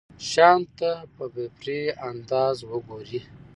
شيانو ته په بې پرې انداز وګوري.